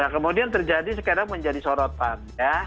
nah kemudian terjadi sekarang menjadi sorotan